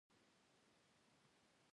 ډېر پخوا وو خلیفه د عباسیانو